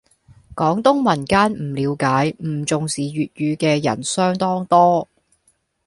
廣東民間唔了解、唔重視粵語嘅人相當多